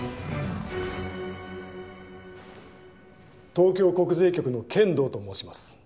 東京国税局の犬童と申します。